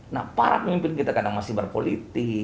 nah para pemimpin kita kadang masih berpolitik